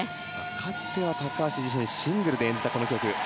かつては高橋自身がシングルで演じた、この曲。